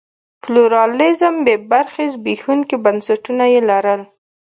پلورالېزم بې برخې زبېښونکي بنسټونه یې لرل.